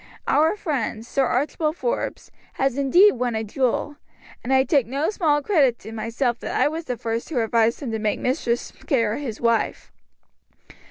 Our friend, Sir Archibald Forbes, has indeed won a jewel, and I take no small credit to myself that I was the first who advised him to make Mistress Kerr his wife."